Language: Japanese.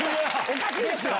おかしいですよ！